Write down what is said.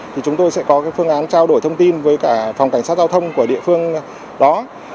thì chúng tôi sẽ có phương án trao đổi thông tin với cả phòng cảnh sát giao thông của địa phương đó